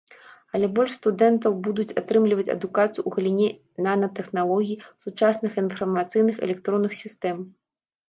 Але больш студэнтаў будуць атрымліваць адукацыю ў галіне нанатэхналогій, сучасных інфармацыйных, электронных сістэм.